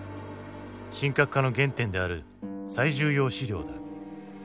神格化の原点である最重要資料だ。